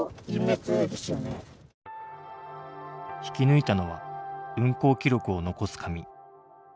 引き抜いたのは運行記録を残す紙。